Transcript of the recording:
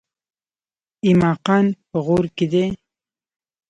ایماقان په غور کې دي؟